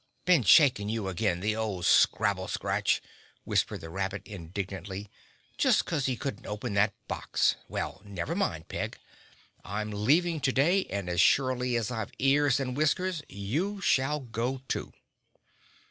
"Been shaking you again, the old scrabble scratch!" whispered the rabbit indignantly, "just 'cause he couldn't open that box. Well, never mind, Peg, I'm leaving to day and as surely as I've ears and whiskers you shall go too!"